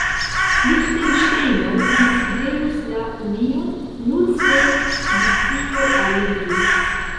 Liĥtenŝtejno konsiderus la union, nur se Svisio aliĝus.